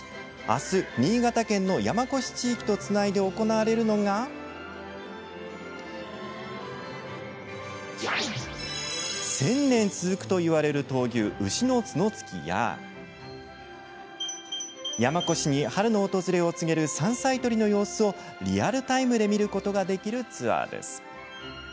あす、新潟県の山古志地域とつないで行われるのが１０００年続くといわれる闘牛牛の角突きや山古志に春の訪れを告げる山菜採りの様子をリアルタイムで見ることができるツアーです。